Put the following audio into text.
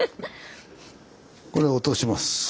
これを落とします。